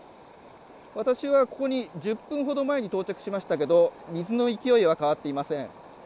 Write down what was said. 私はここに１０分ほど前に到着しましたけど水の勢いは変わっていません。